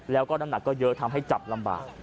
แล้วก็น้ำหนักก็เยอะทำให้จับลำบาก